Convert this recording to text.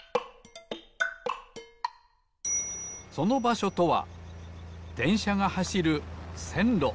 そのばしょとはでんしゃがはしるせんろ。